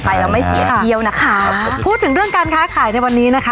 ไปแล้วไม่เสียเที่ยวนะคะพูดถึงเรื่องการค้าขายในวันนี้นะคะ